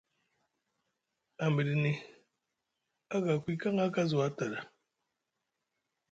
A miɗini aga ku yikaŋa kaswata ɗa.